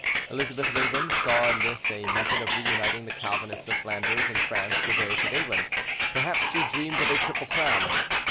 Elizabeth of England saw in this a method of reuniting the Calvinists of Flanders and France to those of England—perhaps she dreamed of a triple crown.